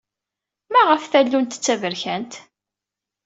Maɣef tallunt d taberkant?